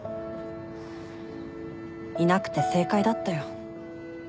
いなくて正解だったよ。